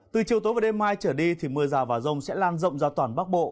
từ chiều tối và đêm mai trở đi thì mưa rào và rông sẽ lan rộng ra toàn bắc bộ